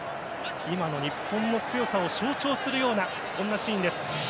今の日本の強さを象徴するようなそんなシーンです。